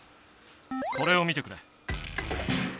これを見てくれ。